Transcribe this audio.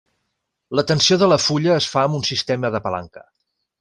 La tensió de la fulla es fa amb un sistema de palanca.